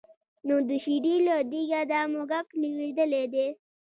نو د شېرې له دېګه دا موږک لوېدلی دی.